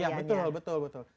iya betul betul betul